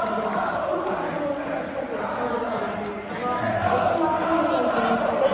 これも先ほどの質問と少し重なる部分があるんですが夫が中国に赴任中です。